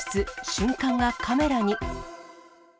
瞬間がカメラに。